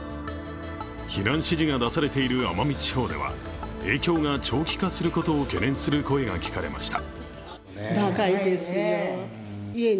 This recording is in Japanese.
避難指示が出されている奄美地方では影響が長期化することを懸念する声が聞かれました。